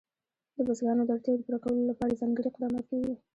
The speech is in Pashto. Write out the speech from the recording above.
د بزګانو د اړتیاوو پوره کولو لپاره ځانګړي اقدامات کېږي.